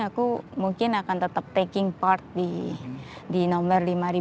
aku mungkin akan tetap taking part di nomor lima